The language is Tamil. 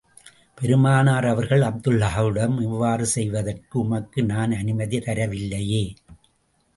பெருமானார் அவர்கள் அப்துல்லாஹ்விடம் இவ்வாறு செய்வதற்கு உமக்கு நான் அனுமதி தரவில்லையே?